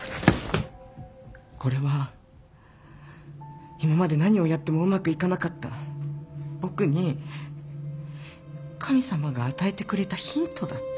これは今まで何をやってもうまくいかなかった僕に神様が与えてくれたヒントだって。